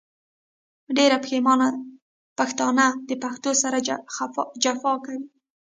ډېری پښتانه د پښتو سره جفا کوي .